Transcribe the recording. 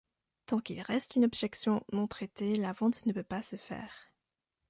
Tant qu'il reste une objection non traitée, la vente ne peut pas se faire.